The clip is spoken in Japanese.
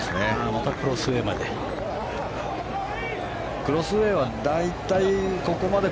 またクロスウェーまで。